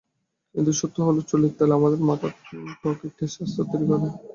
কিন্তু সত্য হলো, চুলের তেল আমাদের মাথার ত্বকে একটি স্তর তৈরি করে।